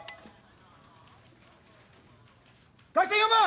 外線４番！